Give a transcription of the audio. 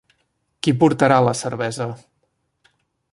Qui portarà la cervesa?